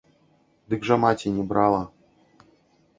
Дык жа маці не брала.